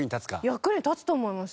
役に立つと思います。